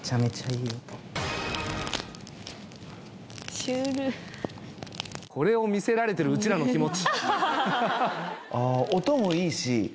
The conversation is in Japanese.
シュールこれを見せられてるうちらの気持ち